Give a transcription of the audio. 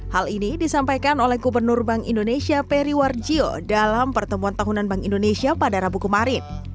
hal ini disampaikan oleh gubernur bank indonesia peri warjio dalam pertemuan tahunan bank indonesia pada rabu kemarin